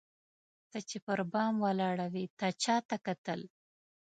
ته چي پر بام ولاړه وې تا چاته کتل؟